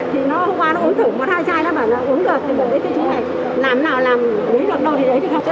thì hôm qua nó uống thử một hai chai nó bảo là uống được làm nào làm lấy được đâu thì đấy